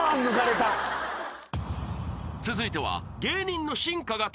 ［続いては］